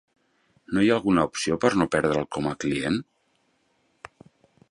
No hi ha alguna opció per no perdre'l com a client?